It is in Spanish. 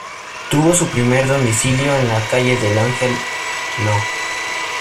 Tuvo su primer domicilio en la calle Del Ángel No.